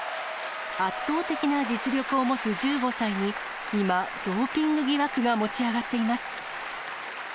圧倒的な実力を持つ１５歳に、今、ドーピング疑惑が持ち上がっています。